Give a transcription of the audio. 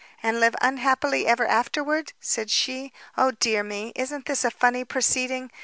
"And live unhappily ever afterward?" said she. "Oh, dear me! Isn't this a funny proceeding?